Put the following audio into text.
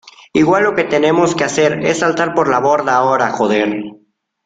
igual lo que tenemos que hacer es saltar por la borda ahora, joder.